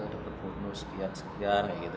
dapat bonus sekian sekian gitu